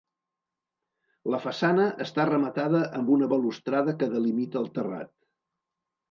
La façana està rematada amb una balustrada que delimita el terrat.